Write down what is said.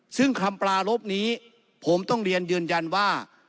ซึ่งคำปลารบนี้ผมต้องเรียนยืนยันว่า